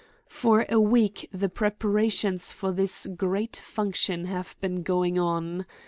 For a week the preparations for this great function have been going on.